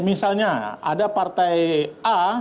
misalnya ada partai a